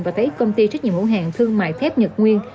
và thấy công ty trách nhiệm hữu hàng thương mại thép nhật nguyên